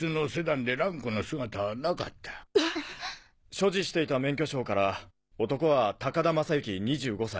所持していた免許証から男は高田正幸２５歳。